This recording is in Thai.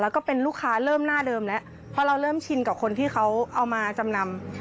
แล้วก็เป็นลูกค้าเริ่มหน้าเดิมแล้วเพราะเราเริ่มชินกับคนที่เขาเอามาจำนำ